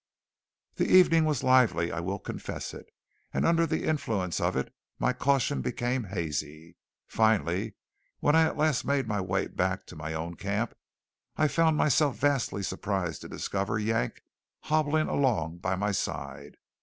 The evening was lively, I will confess it, and under the influence of it my caution became hazy. Finally, when I at last made my way back to my own camp, I found myself vastly surprised to discover Yank hobbling along by my side.